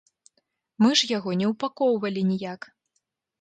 Мы ж яго не ўпакоўвалі ніяк.